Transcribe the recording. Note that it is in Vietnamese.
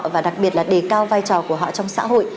và đặc biệt là đề cao vai trò của họ trong xã hội